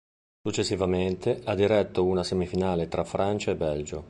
Successivamente, ha diretto una semifinale tra Francia e Belgio.